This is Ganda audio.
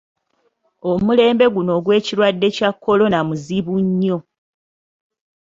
Omulembe guuno ogw'ekirwadde kya kkolona muzibu nnyo.